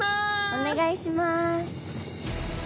お願いします。